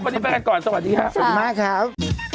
วันนี้ไปก่อนสวัสดีครับ